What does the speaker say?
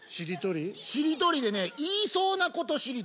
しりとりでね言いそうなことしりとり。